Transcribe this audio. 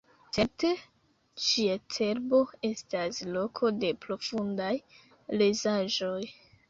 Certe ŝia cerbo estas loko de profundaj lezaĵoj.